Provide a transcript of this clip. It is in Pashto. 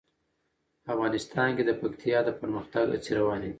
افغانستان کې د پکتیا د پرمختګ هڅې روانې دي.